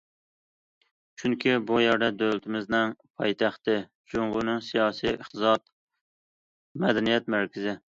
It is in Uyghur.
چۈنكى، بۇ يەر دۆلىتىمىزنىڭ پايتەختى، جۇڭگونىڭ سىياسىي، ئىقتىساد، مەدەنىيەت مەركىزى.